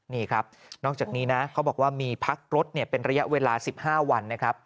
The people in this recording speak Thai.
นี่ครับนอกจากนี้นะเขาบอกว่ามีพักรถเป็นระยะเวลา๑๕วันนะครับ